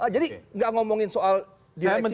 jadi gak ngomongin soal direksi